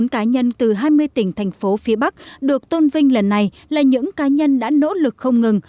một trăm bốn mươi bốn cá nhân từ hai mươi tỉnh thành phố phía bắc được tôn vinh lần này là những cá nhân đã nỗ lực không ngừng